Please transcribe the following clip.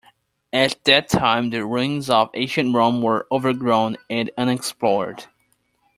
At the time the ruins of ancient Rome were overgrown and unexplored.